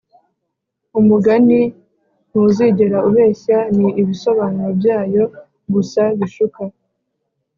umugani ntuzigera ubeshya, ni ibisobanuro byayo gusa bishuka